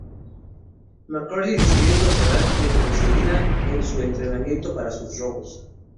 McCurdy decidió incorporar nitroglicerina a su entrenamiento para sus robos.